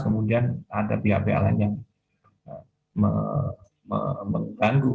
kemudian ada pihak pihak lain yang mengganggu